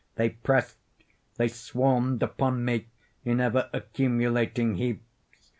They pressed—they swarmed upon me in ever accumulating heaps.